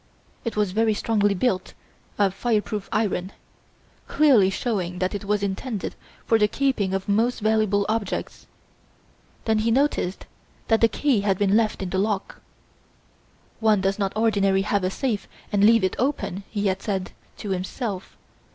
It was very strongly built of fire proof iron, clearly showing that it was intended for the keeping of most valuable objects. Then he noticed that the key had been left in the lock. "One does not ordinarily have a safe and leave it open!" he had said to himself.